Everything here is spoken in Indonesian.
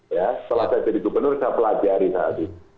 ya setelah saya jadi gubernur saya pelajari tadi